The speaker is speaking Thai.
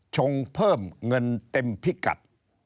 ชงเพิ่มเงินเต็มพิกัด